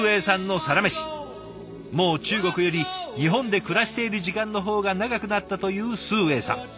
もう中国より日本で暮らしている時間の方が長くなったという崇英さん。